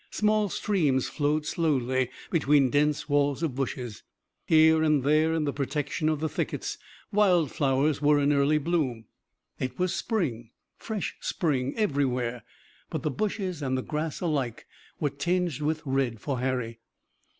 Small streams flowed slowly between dense walls of bushes. Here and there in the protection of the thickets wild flowers were in early bloom. It was spring, fresh spring everywhere, but the bushes and the grass alike were tinged with red for Harry.